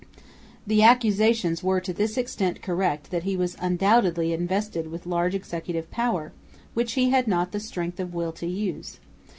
The accusations were to this extent correct that he was undoubtedly invested with large executive power which he had not the strength of will to use.